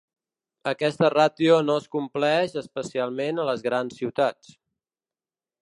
Aquesta ràtio no es compleix especialment a les grans ciutats.